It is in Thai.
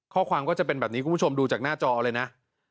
ข้อความก็จะเป็นแบบนี้คุณผู้ชมดูจากหน้าจอเลยนะ